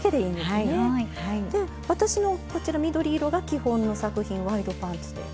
で私のこちら緑色が基本の作品ワイドパンツで。